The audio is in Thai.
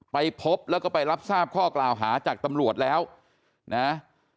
ไปพบแล้วก็ไปรับทราบข้อกล่าวหาจากตำรวจแล้วนะ